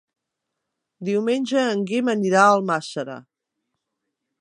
Diumenge en Guim anirà a Almàssera.